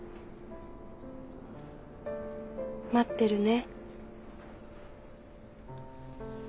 待ってるね。